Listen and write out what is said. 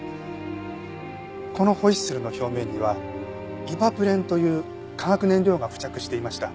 このホイッスルの表面にはイバプレンという化学燃料が付着していました。